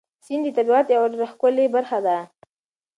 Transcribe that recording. سیند د طبیعت یوه ډېره ښکلې برخه ده.